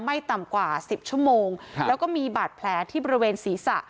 ไม่ต่ำกว่าสิบชั่วโมงครับแล้วก็มีบาดแผลที่บริเวณศีรษะ